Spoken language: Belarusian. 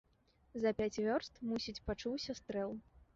За пяць вёрст, мусіць, пачуўся стрэл.